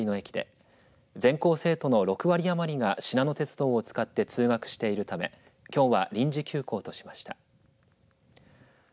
全校生徒の６割余りがしなの鉄道を使って通学しているためきょうは臨時休校としました。